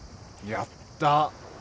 やった。